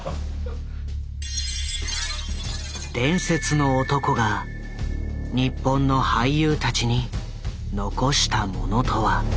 伝説の男が日本の俳優たちに残したものとは。